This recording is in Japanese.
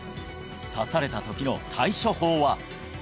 刺された時の対処法は？